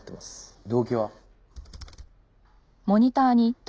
動機は？